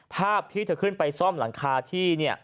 ภาพที่เธอขึ้นไปซ่อมหลังคาที่